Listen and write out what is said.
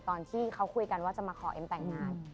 ตอนที่เขาคุยกันว่าจะมาขอเอ็มแต่งงาน